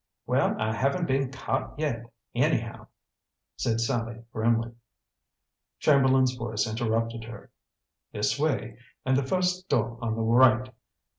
"Well, I haven't been caught yet, anyhow," said Sallie grimly. Chamberlain's voice interrupted her. "This way, and then the first door on the right.